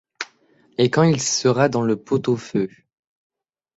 Et quand il sera dans le pot-au-feu